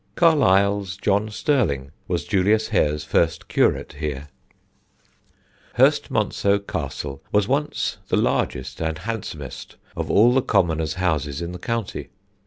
Carlyle's John Sterling was Julius Hare's first curate here. [Sidenote: THE OLD SPACIOUSNESS] Hurstmonceux Castle was once the largest and handsomest of all the commoners' houses in the county.